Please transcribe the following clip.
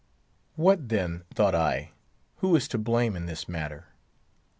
What, then, thought I, who is to blame in this matter?